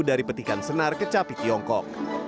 dari petikan senar kecapi tiongkok